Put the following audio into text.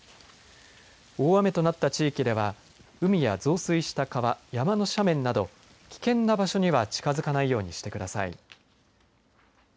大雨となった地域では海や増水した川、山の斜面など危険な場所には近づかないようにしてください。